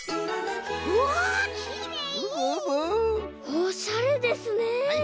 おしゃれですね。